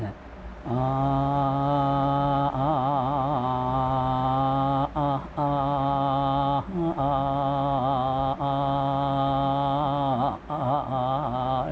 อ่าอ่าอ่าอ่าอ่าอ่าอ่าอ่าอ่าอ่าอ่าอ่าอ่า